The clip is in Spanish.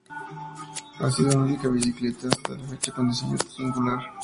Ha sido la única bicicleta hasta la fecha con un diseño tan singular.